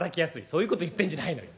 「そういうこと言ってんじゃないのよ。